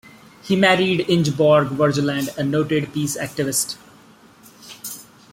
He married Ingeborg Wergeland, a noted peace activist.